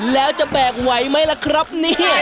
แล้วจะแบกไหวไหมล่ะครับเนี่ย